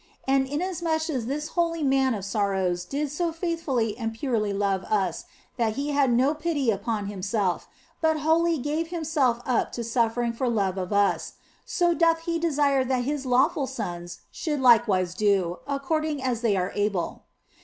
And inasmuch as this holy Man of Sorrows did so faithfully and purely love us that He had no pity upon Himself, but wholly gave Himself up to suffering for love of us, so doth He desire that His lawful sons should likewise do, according as they are able.